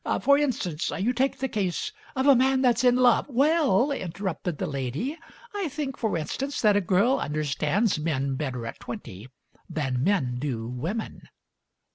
For instance, you take the case of a man that's in love " "Well," interrupted the lady, "I think, for in stance, that a girl understands men better at twenty than men do women."